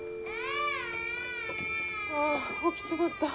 ・ああ起きちまった。